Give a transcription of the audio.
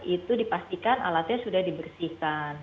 itu dipastikan alatnya sudah dibersihkan